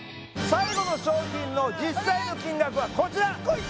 最後の商品の実際の金額はこちらこい！